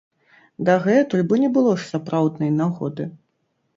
Дагэтуль бо не было ж сапраўднай нагоды.